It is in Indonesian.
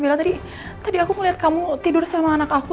belah tadi aku ngeliat kamu tidur sama anak aku